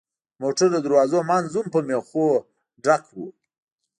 د موټر د دروازو منځ هم په مېخونو ډکوو.